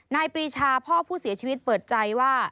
ปรีชาพ่อผู้เสียชีวิตเปิดใจว่า